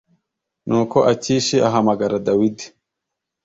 nuko akishi ahamagara dawidi